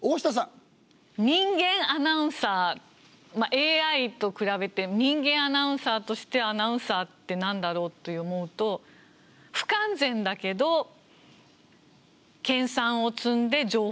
ＡＩと比べて人間アナウンサーとしてアナウンサーって何だろうって思うと不完全だけど研鑽を積んで情報を伝える人と思います。